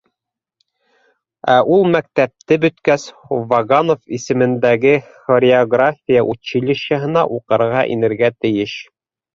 Ә ул, мәктәпте бөткәс, Ваганов исемендәге хореография училищеһына уҡырға инергә тейеш!